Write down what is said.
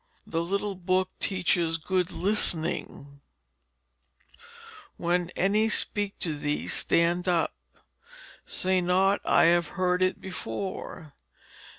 The little book teaches good listening: "When any speak to thee, stand up. Say not I have heard it before.